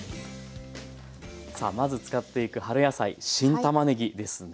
さあまず使っていく春野菜新たまねぎですね。